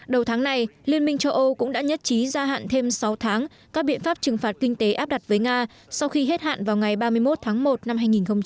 đầu tháng này liên minh châu âu cũng đã nhất trí gia hạn thêm sáu tháng các biện pháp trừng phạt kinh tế áp đặt với nga sau khi hết hạn vào ngày ba mươi một tháng một năm hai nghìn hai mươi